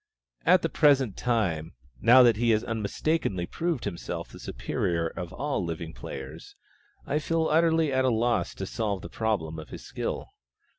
At the present time, now that he has unmistakably proved himself the superior of all living players, I feel utterly at a loss to solve the problem of his skill.